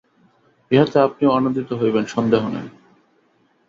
ইহাতে আপনিও আনন্দিত হইবেন, সন্দেহ নাই।